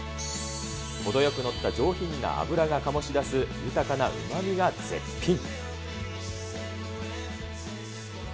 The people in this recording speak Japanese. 程よく載った上品な脂が醸し出す豊かなうまみが絶品。